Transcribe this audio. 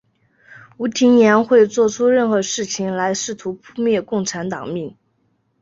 吴廷琰会作出任何事情来试图扑灭共产革命。